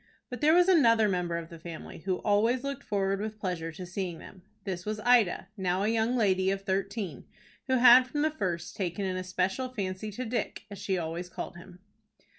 But there was another member of the family who always looked forward with pleasure to seeing them. This was Ida, now a young lady of thirteen, who had from the first taken an especial fancy to Dick, as she always called him.